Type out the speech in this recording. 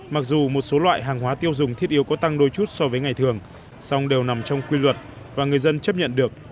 mặc dù một số loại hàng hóa tiêu dùng thiết yếu có tăng đôi chút so với ngày thường song đều nằm trong quy luật và người dân chấp nhận được